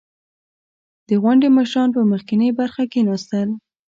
• د غونډې مشران په مخکینۍ برخه کښېناستل.